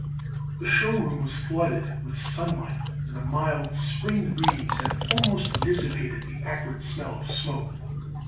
The show room was flooded with sunlight and a mild spring breeze had almost dissipated the acrid smell of smoke.